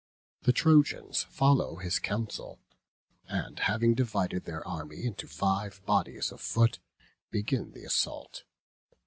The Trojans follow his counsel, and having divided their army into five bodies of foot, begin the assault.